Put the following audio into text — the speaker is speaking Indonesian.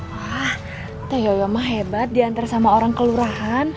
wah teh yoyoma hebat diantar sama orang kelurahan